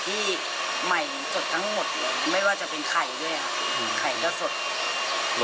รสชาติเป็นยังไงครับ